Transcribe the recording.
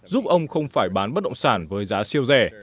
giúp ông không phải bán bất động sản với giá siêu rẻ